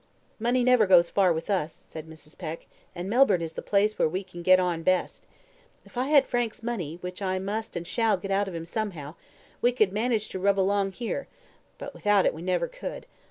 "Money never goes far with us," said Mrs. Peck, "and Melbourne is the place where we can get on best. If I had Frank's money, which I must and shall get out of him somehow, we could manage to rub along here, but without it we never could.